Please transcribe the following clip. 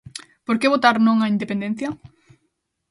Por que votar non á independencia?